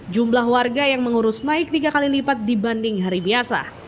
jumlah warga yang mengurus naik tiga kali lipat dibanding hari biasa